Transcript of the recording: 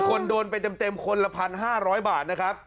คนโดนไปเต็มคนละ๑๕๐๐บาทนะครับ